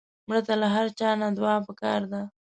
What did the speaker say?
مړه ته له هر چا نه دعا پکار ده